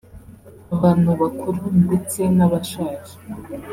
abantu bakuru ndetse n’Abashaje